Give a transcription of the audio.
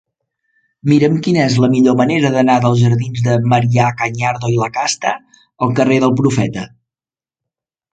Mira'm quina és la millor manera d'anar dels jardins de Marià Cañardo i Lacasta al carrer del Profeta.